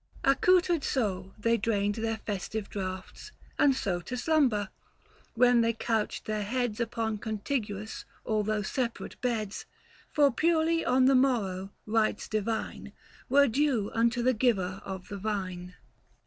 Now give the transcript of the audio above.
340 Accoutred so they drained their festive draughts, And so to slumber : when they couched their heads Upon contiguous, although separate, beds ; For purely, on the morrow, rites divine Were due unto the Giver of the Vine.